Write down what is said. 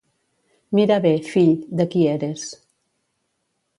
Mira bé, fill, de qui eres.